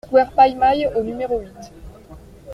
Square Paille-Maille au numéro huit